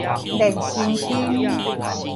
練身間